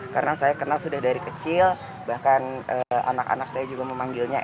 karena saya kenal sudah dari kecil bahkan anak anak saya juga memanggilnya